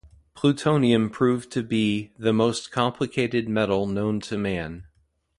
Plutonium proved to be "the most complicated metal known to man".